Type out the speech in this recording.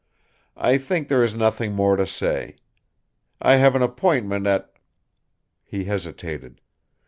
"I think there is nothing more to say. I have an appointment at " He hesitated.